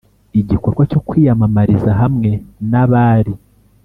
Igikorwa cyo kwiyamamariza hamwe n abari